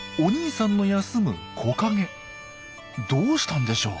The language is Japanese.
どうしたんでしょう？